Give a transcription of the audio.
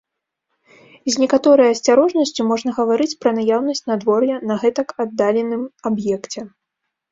З некаторай асцярожнасцю можна гаварыць пра наяўнасць надвор'я на гэтак аддаленым аб'екце.